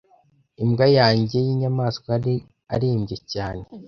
Imbwa yanjye yinyamanswa yari arembye cyane.